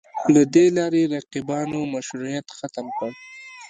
له دې لارې رقیبانو مشروعیت ختم کړي